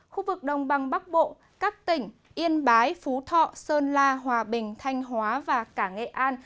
khu vực đồng bằng bắc bộ các tỉnh yên bái phú thọ sơn la hòa bình thanh hóa và cả nghệ an